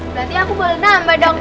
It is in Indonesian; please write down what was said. berarti aku boleh nambah mbak dong